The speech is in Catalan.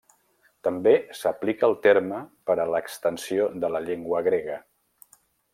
També s'aplica el terme per a l'extensió de la llengua grega.